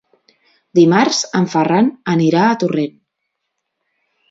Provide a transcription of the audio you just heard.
Dimarts en Ferran anirà a Torrent.